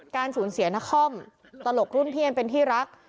การสูญเสียนครตลกรุ่นพี่อันเป็นที่รัก